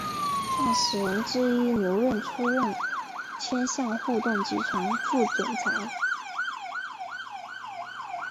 创始人之一刘韧出任千橡互动集团副总裁。